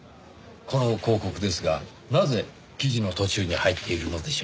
この広告ですがなぜ記事の途中に入っているのでしょう？